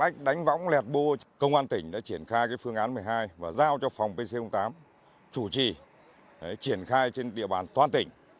công an tỉnh đã triển khai phương án một mươi hai và giao cho phòng pc tám chủ trì triển khai trên địa bàn toàn tỉnh